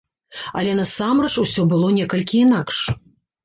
Але насамрэч усё было некалькі інакш.